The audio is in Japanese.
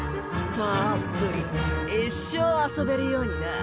たっぷり一生遊べるようにな。